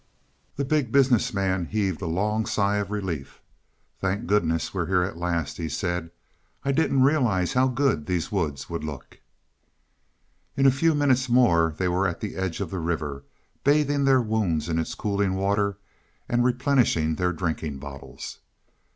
The Big Business Man heaved a long sigh of relief. "Thank goodness we're here at last," he said. "I didn't realize how good these woods would look." In a few minutes more they were at the edge of the river, bathing their wounds in its cooling water, and replenishing their drinking bottles.